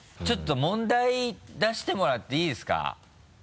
ちょっと問題出してもらっていいですか？